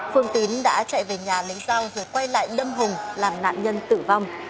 phương tín đã chạy về nhà lấy rau rồi quay lại lâm hùng làm nạn nhân tử vong